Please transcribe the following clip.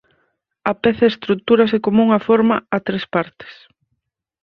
A peza estrutúrase como unha forma a tres partes.